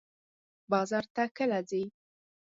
بازار ته کله ځئ؟